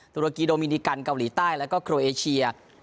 ตุรกีโดมินิกันเกาหลีใต้แล้วก็โครเอเชีย